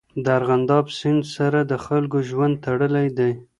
د ارغنداب سیند سره د خلکو ژوند تړلی دی.